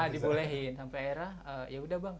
dibolehin sampai akhirnya yaudah bang